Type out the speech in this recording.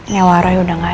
nyawarai udah gak ada